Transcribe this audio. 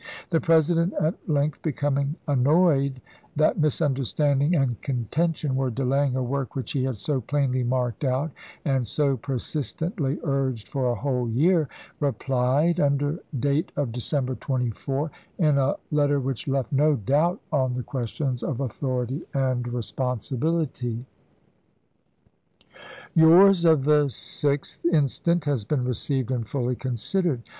The President at length becoming annoyed that misunderstanding and contention were delaying a work which he had so plainly marked out and so persistently urged for a whole year, replied, under date of December 24, in a letter which left no doubt on the questions of authority and responsibility. Yours of the sixth instant has been received and fully considered.